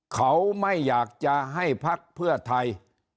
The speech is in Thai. เขาไม่อยากจะให้พักเพื่อไทย